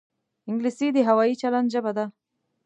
انګلیسي د هوايي چلند ژبه ده